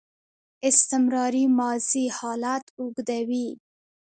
استمراري ماضي حالت اوږدوي.